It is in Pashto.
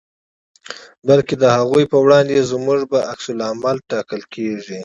بلکې د هغو په وړاندې زموږ په عکس العمل ټاکل کېږي.